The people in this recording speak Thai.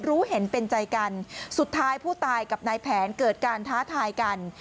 รู้เห็นเป็นใจกันสุดท้ายผู้ตายกับนายแผนเกิดการท้าทายกัน